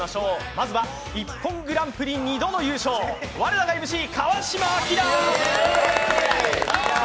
まずは「ＩＰＰＯＮグランプリ」２度の優勝我らがＭＣ・川島明。